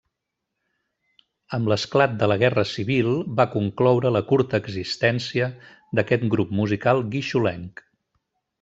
Amb l'esclat de la guerra civil, va concloure la curta existència d'aquest grup musical guixolenc.